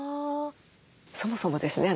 そもそもですね